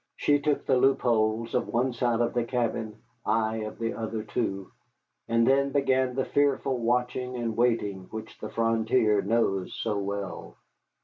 She took the loopholes of two sides of the cabin, I of the other two, and then began the fearful watching and waiting which the frontier knows so well.